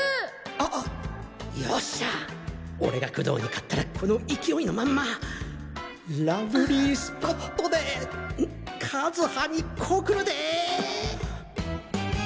ああよっしゃ！俺が工藤に勝ったらこの勢いのまんまラブリースポットで和葉に告るでぇ！